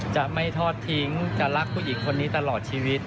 จะไม่ทอดทิ้งจะรักผู้หญิงคนนี้ตลอดชีวิต